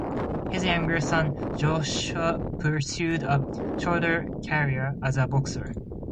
His younger son Joshua pursued a short career as a boxer.